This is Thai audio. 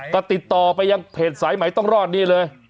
ก็ติดต่อไปยังเพจสายใหม่ต้องรอดนี่เลย